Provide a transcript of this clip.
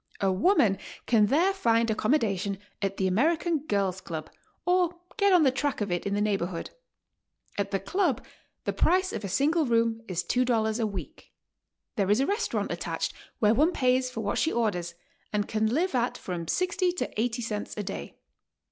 A woman can there find accommodation at the American Girls' Club or get on the track of it in the neighborhood. At the Club the price of a single room is $2 a week. There is a res taurant attached where one pays for what she orders and can live at from 60 to 80 cents a day.